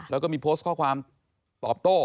แล้วก็มีโพสต์ข้อความตอบโต้